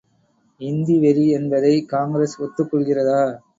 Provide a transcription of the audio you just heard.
இந்தி வெறி என்பதை, காங்கிரஸ் ஒத்துக் கொள்கிறதா?